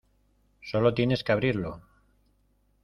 solo tienes que abrirlo.